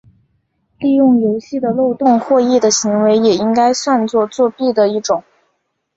利用游戏的漏洞获益的行为也应该算作作弊的一种。